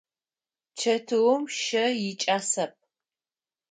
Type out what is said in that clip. Чэтыум щэ икӏасэп.